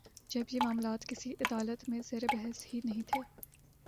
جب یہ معاملات کسی عدالت میں زیر بحث ہی نہیں تھے۔